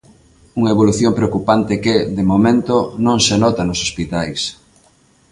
Unha evolución preocupante que, de momento, non se nota nos hospitais.